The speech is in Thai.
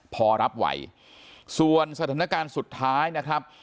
พอรับไหวส่วนสถานการณ์สุดท้ายนะครับ